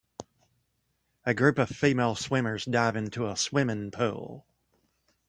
A group of female swimmers dive into a swimming pool.